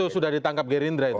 itu sudah ditangkap gerindra itu ya